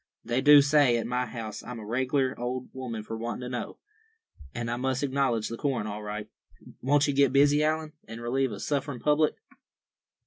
They do say at my house I'm a reg'lar old woman for wantin' to know; and I must acknowledge the corn all right. Won't you get busy, Allan, and relieve a sufferin' public?"